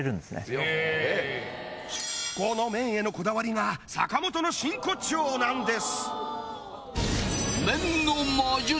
へぇこの麺へのこだわりが坂本の真骨頂なんです！